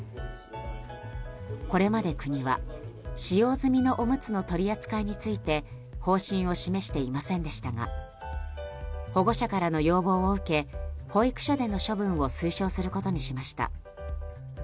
これまで国は使用済みのおむつの取り扱いについて方針を示していませんでしたが保護者からの要望を受け保育所での処分を推奨することにしました。